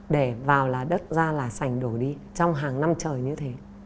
để vào là đất ra là sành đổ đi trong hàng năm trời như thế